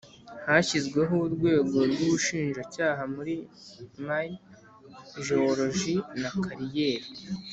Hashyizweho urwego rw ubushinjacyaha muri Mine Jewoloji na Kariyeri